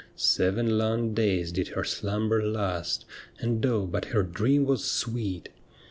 Seven long days did her slumber last, And oh but her dream was sweet